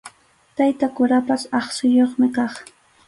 Tayta kurapas aqsuyuqmi kaq.